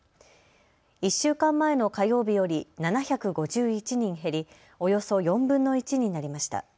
１週間前の火曜日より７５１人減りおよそ４分の１になりました。